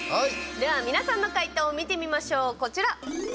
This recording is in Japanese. では、皆さんの解答を見てみましょう、こちら。